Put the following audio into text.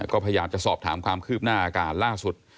ก็พยายามจะสอบถามความคืบหน้าอาการล่าสุด